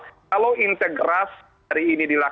kalau integras dari ini dilihat jadi kalau integras dari ini dilihat